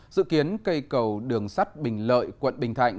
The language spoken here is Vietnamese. dự kiến cây cầu đường sắt bình lợi quận bình thạnh